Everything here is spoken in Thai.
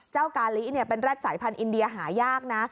กาลิเป็นแร็ดสายพันธุอินเดียหายากนะ